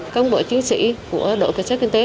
công bộ chiến sĩ của đội cảnh sát kinh tế